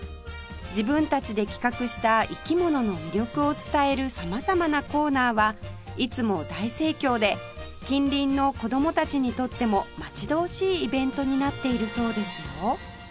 自分たちで企画した生き物の魅力を伝える様々なコーナーはいつも大盛況で近隣の子供たちにとっても待ち遠しいイベントになっているそうですよ